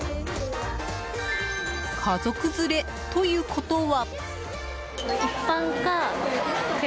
家族連れということは。